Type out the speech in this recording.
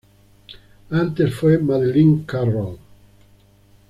Antes fue Madeleine Carroll.